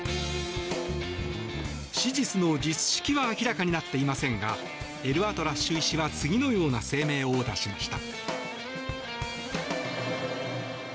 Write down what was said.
手術の術式は明らかになっていませんがエルアトラッシュ医師は次のような声明を出しました。